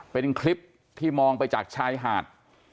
เป็นคลิปที่มองไปจากชายหาด